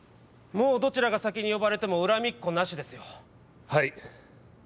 もうどちらが先に呼ばれても恨みっこなしですよはい